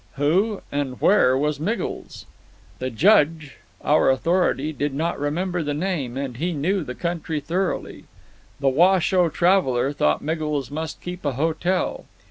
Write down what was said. Who and where was Miggles? The Judge, our authority, did not remember the name, and he knew the country thoroughly. The Washoe traveler thought Miggles must keep a hotel.